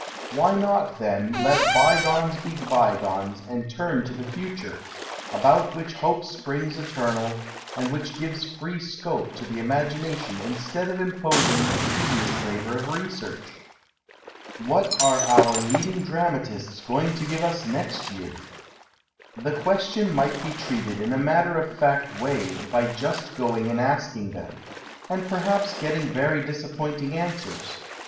Why not, then, let bygones be bygones and turn to the future, about which hope springs eternal, and which gives free scope to the imagination instead of imposing the tedious labour of research ? What are our leading dramatists going to give us next year ? The question might be treated in a matter of fact way by just going and asking them — and perhaps getting very disappoint ing answers.